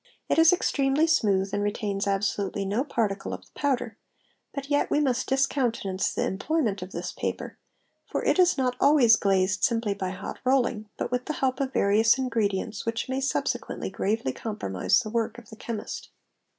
it is extremely smooth and retains absolutely no particle of the powder; but _ yet we must discountenance the employment of this paper, for it is not always glazed simply by hot rolling, but with the help of various in ~_ gredients which may subsequently gravely compromise the work of the chemist.